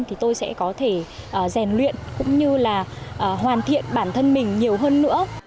thì tôi sẽ có thể rèn luyện cũng như là hoàn thiện bản thân mình nhiều hơn nữa